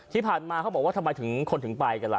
ที่ผ่านมาเขาบอกว่าทำไมถึงคนถึงไปกันล่ะ